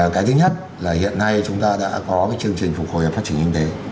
cái thứ nhất là hiện nay chúng ta đã có cái chương trình phục hồi và phát triển kinh tế